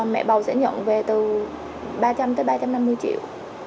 mẹ bầu sẽ nhận về từ ba trăm linh tới ba trăm năm mươi triệu